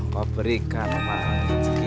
berikan kepada saya